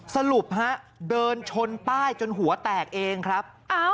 สรุปฮะเดินชนป้ายจนหัวแตกเองครับ